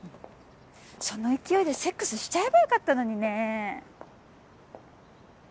その勢いでセックスしちゃえばよかったのにね